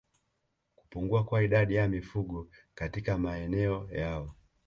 Kupungua kwa idadi ya mifugo katika maeneo yao